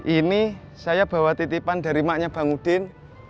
ini saya bawa titipan dari maknya bang udin